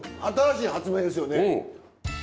新しい発明ですよね。